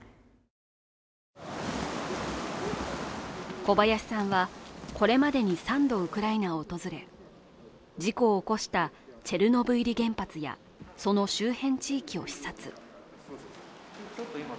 小林さんはこれまでに３度ウクライナを訪れ、事故を起こしたチェルノブイリ原発やその周辺地域を視察。